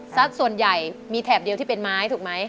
ส่วนใหญ่มีแถบเดียวที่เป็นไม้ถูกไหม